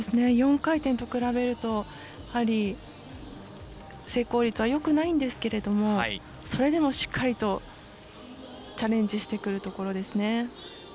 ４回転と比べるとやはり、成功率はよくないんですけれどもそれでもしっかりとチャレンジしてくるところですね。